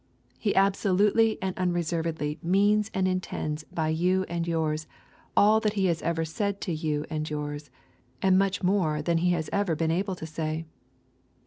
He absolutely and unreservedly means and intends by you and yours all that he has ever said to you and yours, and much more than he has ever been able to say.